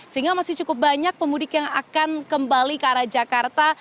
sehingga masih cukup banyak pemudik yang akan kembali ke arah jakarta